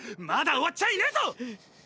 まだ終わっちゃいねえぞ！！